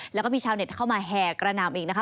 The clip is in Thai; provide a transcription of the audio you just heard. แล้วก็มีชาวเน็ตเข้ามาแห่กระหน่ำอีกนะคะ